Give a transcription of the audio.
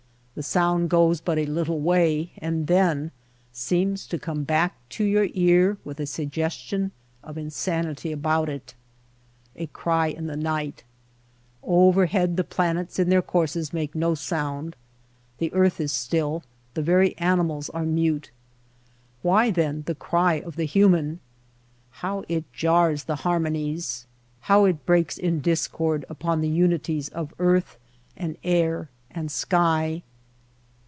The sound goes but a little way and then seems to come back to your ear with a suggestion of insanity about it. A cry in the night ! Overhead the planets in their courses make no sound, the earth is still, the very animals are mute. Why then the cry of the human ? How it jars the harmo nies ! How it breaks in discord upon the uni ties of earth and air and sky